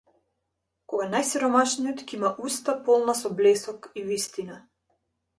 Кога најсиромашниот ќе има уста полна со блесок и вистина.